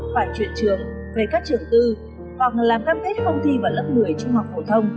phải chuyển trường về các trường tư hoặc làm cam kết không thi vào lớp một mươi